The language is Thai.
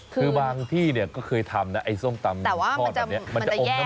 คือบางที่เคยทำซ้มตำทอดแบบนี้มันจะแยก